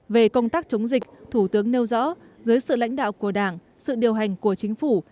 về công tác chống dịch thủ tướng nêu rõ dưới sự lãnh đạo của đảng sự điều hành của chính phủ